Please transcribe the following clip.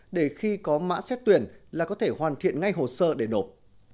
để khi có mã xét tuyển là có thể hoàn thiện ngay hồ sơ để nộp